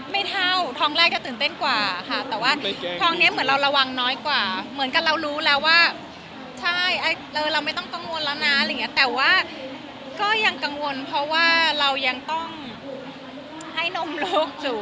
ไม่เท่าท้องแรกก็ตื่นเต้นกว่าค่ะแต่ว่าทองนี้เหมือนเราระวังน้อยกว่าเหมือนกับเรารู้แล้วว่าใช่เราไม่ต้องกังวลแล้วนะอะไรอย่างนี้แต่ว่าก็ยังกังวลเพราะว่าเรายังต้องให้นมลูกอยู่